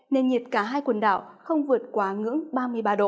nền nhiệt cả hai quần đảo không vượt quá ngưỡng ba mươi ba độ